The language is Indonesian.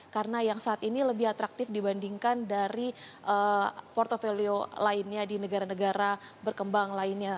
karena yang saat ini lebih atraktif dibandingkan dari portfolio lainnya di negara negara berkembang lainnya